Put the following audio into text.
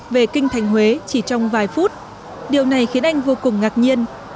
về kinh thành huế chỉ trong vài phút điều này khiến anh vô cùng ngạc nhiên